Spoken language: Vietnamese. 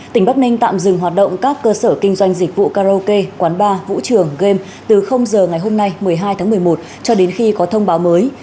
tỉnh bắc ninh tạm dừng hoạt động các cơ sở kinh doanh dịch vụ karaoke quán bar vũ trường game từ giờ ngày hôm nay một mươi hai tháng một mươi một cho đến khi có thông báo mới